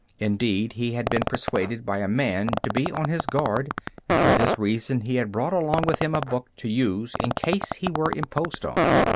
Indeed, he had been persuaded by a man to be on his guard, and for this reason he had brought along with him a book to use in case he were imposed on.